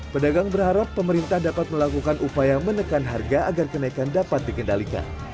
pedagang berharap pemerintah dapat melakukan upaya menekan harga agar kenaikan dapat dikendalikan